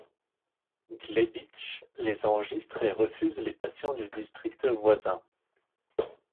Glébytch les enregistre et refuse les patients du district voisin.